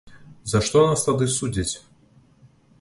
За што нас тады судзяць?